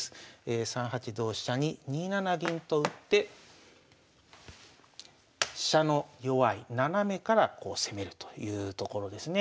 ３八同飛車に２七銀と打って飛車の弱い斜めからこう攻めるというところですね。